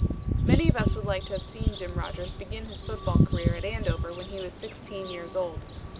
Many of us would like to have seen Jim Rodgers begin his football career at Andover when he was sixteen years old.